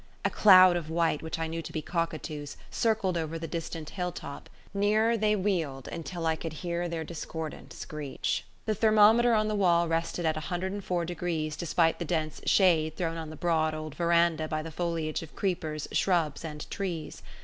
A cloud of white, which I knew to be cockatoos, circled over the distant hilltop. Nearer they wheeled until I could hear their discordant screech. The thermometer on the wall rested at 104 degrees despite the dense shade thrown on the broad old veranda by the foliage of creepers, shrubs, and trees.